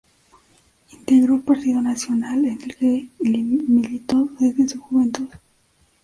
Integró el Partido Nacional, en el que militó desde su juventud.